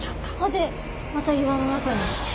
でまた岩の中に。